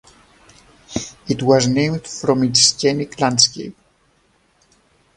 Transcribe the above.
It was named from its scenic landscape.